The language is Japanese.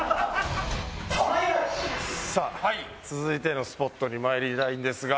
さあ続いてのスポットにまいりたいんですが。